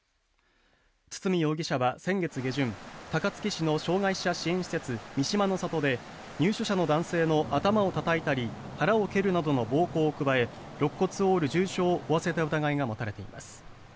堤容疑者は先月下旬高槻市の障害者支援施設三島の郷で入所者の男性の頭をたたいたり腹を蹴るなどの暴行を加えろっ骨を折る重傷を負わせた疑いが持たれています。